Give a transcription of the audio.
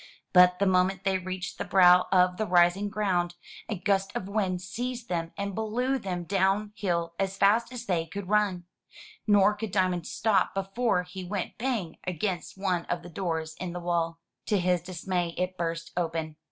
But the moment they reached the brow of the rising ground, a gust of wind seized them and blew them down hill as fast as they could run. Nor could Diamond stop before he went bang against one of the doors in the wall. To his dismay it burst open.